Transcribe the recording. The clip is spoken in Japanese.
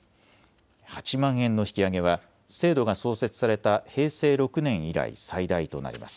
８万円の引き上げは制度が創設された平成６年以来、最大となります。